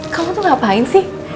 kamu tuh ngapain sih